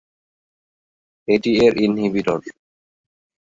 এটি এর ইনহিবিটর।